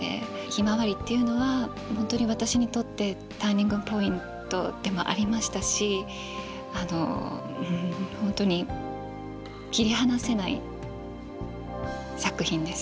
「ひまわり」っていうのは本当に私にとってターニングポイントでもありましたし本当に切り離せない作品です。